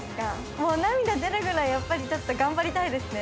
もう涙出るくらいやっぱりちょっと頑張りたいですね。